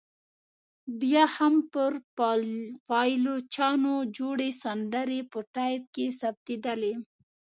بیا هم پر پایلوچانو جوړې سندرې په ټایپ کې ثبتېدې.